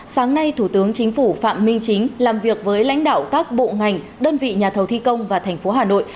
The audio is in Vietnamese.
sáng nay thủ tướng chính phủ phạm minh chính làm việc với lãnh đạo các bộ ngành đơn vị nhà thầu thi công và thành phố hà nội